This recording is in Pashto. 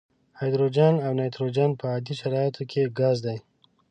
هایدروجن او نایتروجن په عادي شرایطو کې ګاز دي.